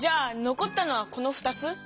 こったのはこの２つ？